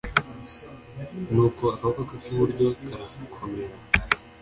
nuko akaboko ke k'iburyo karakomera